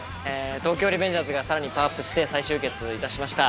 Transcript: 『東京リベンジャーズ』がさらにパワーアップして再集結いたしました。